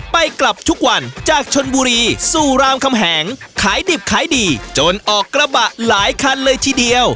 ไปกลับทุกวันจากชนบุรีสู่รามคำแหงขายดิบขายดีจนออกกระบะหลายคันเลยทีเดียว